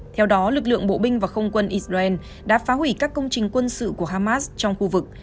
theo đó lực lượng bộ binh và không quân israel đã phá hủy các công trình quân sự của hamas trong khu vực